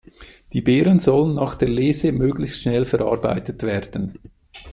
Die Beeren sollen nach der Lese möglichst schnell verarbeitet werden.